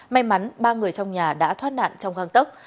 may mắn ba người trong nhà đã thoát nạn trong găng tốc